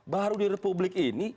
baru di republik ini